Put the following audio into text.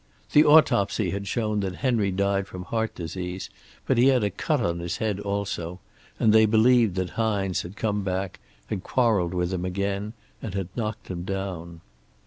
The autopsy had shown that Henry died from heart disease, but he had a cut on his head also, and they believed that Hines had come back, had quarreled with him again, and had knocked him down.